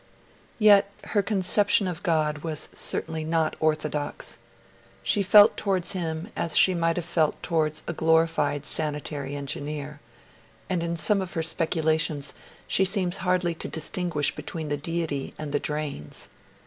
Yet her conception of God was certainly not orthodox. She felt towards Him as she might have felt towards a glorified sanitary engineer; and in some of her speculations she seems hardly to distinguish between the Deity and the Drains.